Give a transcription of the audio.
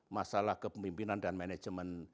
masalah kepemimpinan dan manajemen